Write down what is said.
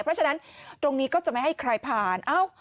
เพราะฉะนั้นตรงนี้ก็จะไม่ให้ใครผ่าน